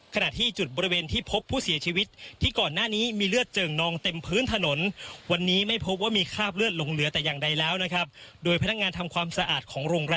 ขณะที่จุดบริเวณที่พบผู้เสียชีวิตที่ก่อนหน้านี้มีเลือดเจิ่งนองเต็มพื้นถนน